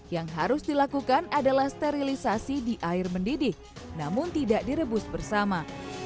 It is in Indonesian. yang harus dilakukan adalah sterilisasi di air mendidih namun tidak direbus bersama